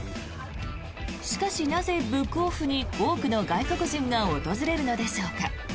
しかしなぜ、ブックオフに多くの外国人が訪れるのでしょうか。